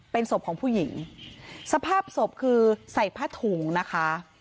เป็นศพของผู้หญิงสภาพศพคือใส่ผ้าถุงนะคะ